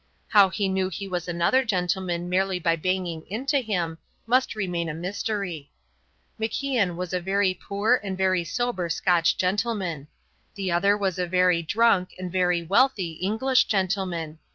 How he knew he was another gentleman merely by banging into him, must remain a mystery. MacIan was a very poor and very sober Scotch gentleman. The other was a very drunk and very wealthy English gentleman.